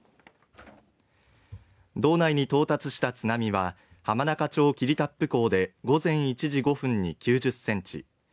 道内に到達した津波は浜中町霧多布港では午前１時５分に９０センチ。